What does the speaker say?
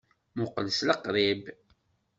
Muqqel s liqṛib!